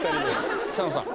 草野さん。